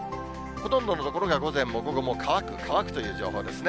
ほとんどの所が午前も午後も乾く、乾くという情報ですね。